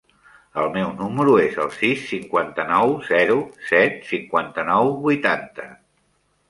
El meu número es el sis, cinquanta-nou, zero, set, cinquanta-nou, vuitanta.